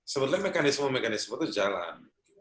sebetulnya mekanisme mekanisme itu jalan